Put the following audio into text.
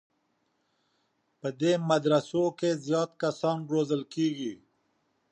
په دې مدرسو کې زیات کسان روزل کېږي.